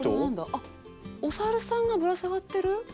あっお猿さんがぶら下がってる？